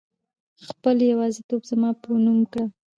خپل يوازيتوب زما په نوم کړه